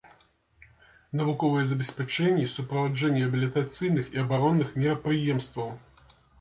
Навуковае забеспячэнне і суправаджэнне рэабілітацыйных і абаронных мерапрыемстваў.